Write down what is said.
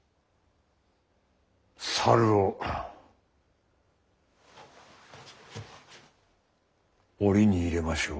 猿を檻に入れましょう。